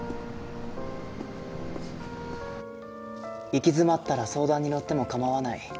行き詰まったら相談にのっても構わない。